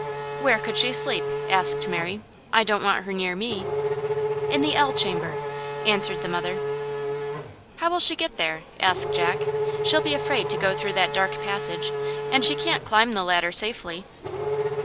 "Where could she sleep?" asked Mary. "I don't want her near me." "In the L chamber," answered the mother. "How'll she get there?" asked Jack. "She'll be afraid to go through that dark passage, and she can't climb the ladder safely."